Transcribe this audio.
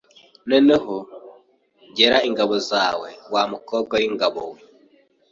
“Noneho, gera ingabo zawe, wa mukobwa w’ingabo we!